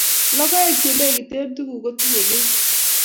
lokoek ye lekite tugul kotinyei beek